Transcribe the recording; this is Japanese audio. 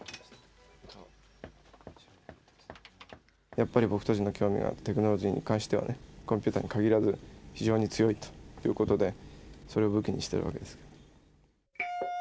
やっぱり僕たちの興味はテクノロジーに関してはねコンピューターに限らず非常に強いということでそれを武器にしてるわけです。